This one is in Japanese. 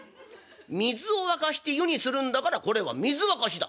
水を沸かして湯にするんだからこれは水沸かしだ」。